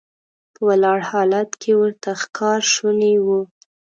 په ولاړ حالت کې ورته ښکار شونی و.